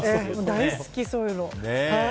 大好き、そういうの。